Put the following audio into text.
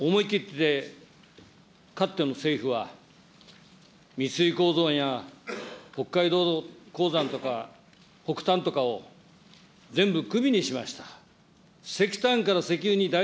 思い切ってかつての政府は、みついや北海道鉱山とかほくたんとかを全部首にしました。